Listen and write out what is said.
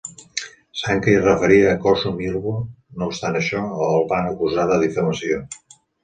Sankei es referia a "Chosun Ilbo", no obstant això, el van acusar de difamació.